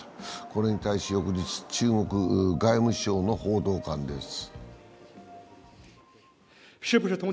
これに対し翌日、中国外務省の報道官です。